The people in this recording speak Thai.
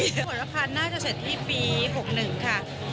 ผลภัณฑ์น่าจะเสร็จที่ปี๖๑ค่ะ